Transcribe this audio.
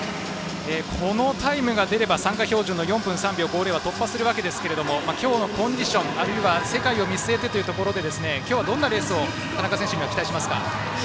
このタイムが出れば参加標準の４分３秒５０は突破するわけですが今日のコンディションあるいは世界を見据えてというところで今日はどんなレースを田中選手に期待しますか？